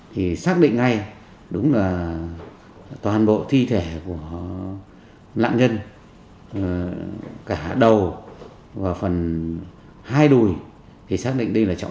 thì xác định ngay đúng là toàn bộ thi thể của lãng nhân cả đầu và phần hai đùi